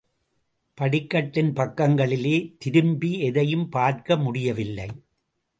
படிக்கட்டின் பக்கங்களிலே திரும்பி எதையும் பார்க்க முடியவில்லை.